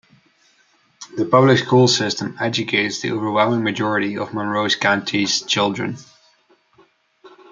The public school system educates the overwhelming majority of Monroe County's children.